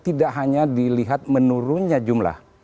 tidak hanya dilihat menurunnya jumlah